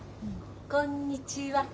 こんにちは。